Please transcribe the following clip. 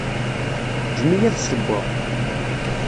Ǧǧem-iyi ad d-ssewweɣ.